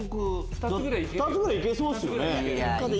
２つぐらい行けそうっすよね。